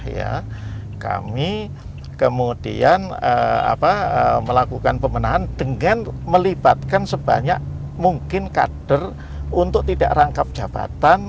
ya kami kemudian melakukan pemenahan dengan melibatkan sebanyak mungkin kader untuk tidak rangkap jabatan